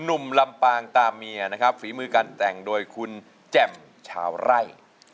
ลำปางตามเมียนะครับฝีมือการแต่งโดยคุณแจ่มชาวไร่